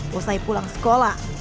posai pulang sekolah